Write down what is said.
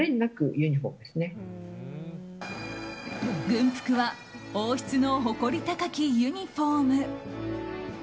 軍服は王室の誇り高きユニホーム。